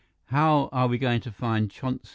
"How are we going to find Chonsi?"